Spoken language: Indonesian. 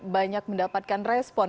banyak mendapatkan respon